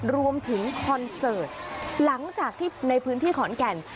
คอนเสิร์ตหลังจากที่ในพื้นที่ขอนแก่น